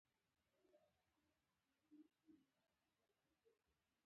پیاز د سوزش ضد خاصیت لري